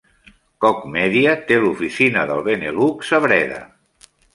Koch Media té l'oficina del Benelux a Breda.